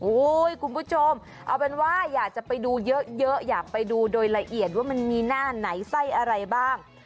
คุณผู้ชมเอาเป็นว่าอยากจะไปดูเยอะอยากไปดูโดยละเอียดว่ามันมีหน้าไหนไส้อะไรบ้าง